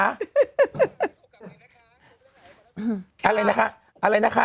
อะไรนะคะอะไรนะคะ